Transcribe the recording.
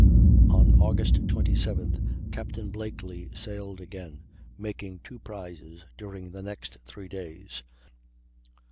On Aug. 27th, Captain Blakely sailed again, making two prizes during the next three days.